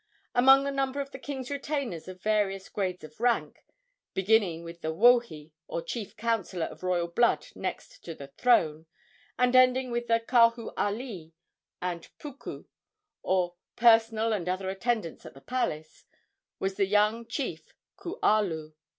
Among the number of the king's retainers of various grades of rank beginning with the wohi, or chief counsellor of royal blood next to the throne, and ending with the kahu alii and puuku, or personal and other attendants at the palace was the young chief Kualu.